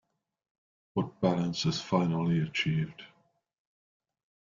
But balance is finally achieved.